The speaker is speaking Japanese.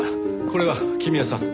これは君枝さん。